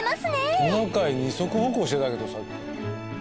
トナカイ二足歩行してたけど。